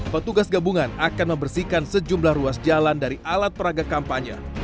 petugas gabungan akan membersihkan sejumlah ruas jalan dari alat peraga kampanye